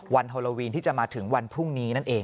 ฮอโลวีนที่จะมาถึงวันพรุ่งนี้นั่นเอง